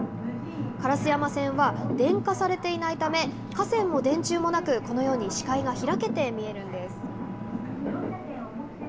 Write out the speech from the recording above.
烏山線は電化されていないため、架線も電柱もなく、このように視界が開けて見えるんです。